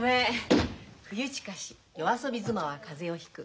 「冬近し夜遊び妻は風邪をひく」。